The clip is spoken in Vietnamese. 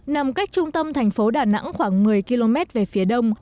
nằm cách trung tâm thành phố đà nẵng khoảng một mươi km về phía đông